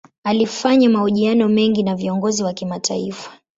Alifanya mahojiano mengi na viongozi wa kimataifa.